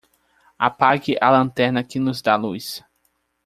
Apague a lanterna que nos dá luz.